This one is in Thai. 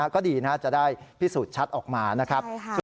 ก็ดีนะจะได้พิสูจน์ชัดออกมา